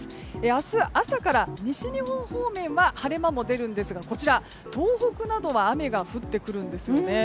明日、朝から西日本方面は晴れ間も出るんですが東北などは雨が降ってくるんですよね。